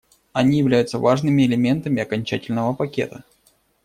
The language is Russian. Они являются важными элементами окончательного пакета.